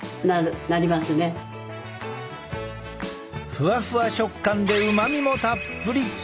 ふわふわ食感でうまみもたっぷり！